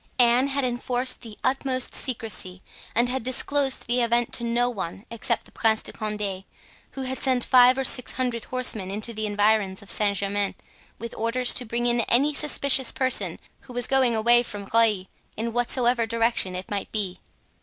Anne had enforced the utmost secrecy and had disclosed the event to no one except the Prince de Condé, who had sent five or six hundred horsemen into the environs of Saint Germain with orders to bring in any suspicious person who was going away from Rueil, in whatsoever direction it might be.